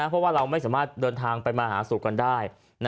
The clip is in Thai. เพราะว่าเราไม่สามารถเดินทางไปมาหาสู่กันได้